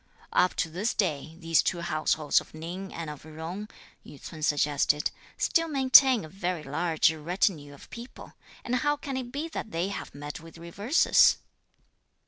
"Up to this day, these two households of Ning and of Jung," Yü ts'un suggested, "still maintain a very large retinue of people, and how can it be that they have met with reverses?"